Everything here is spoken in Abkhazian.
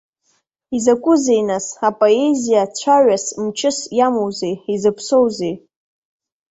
Изакәызеи, нас, апоезиа, цәаҩас-мчыс иамоузеи, изыԥсоузеи?